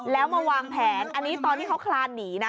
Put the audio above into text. แล้วมาวางแผนอันนี้ตอนที่เขาคลานหนีนะ